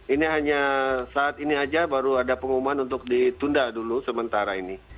ini hanya saat ini saja baru ada pengumuman untuk ditunda dulu sementara ini